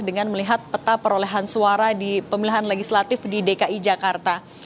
dengan melihat peta perolehan suara di pemilihan legislatif di dki jakarta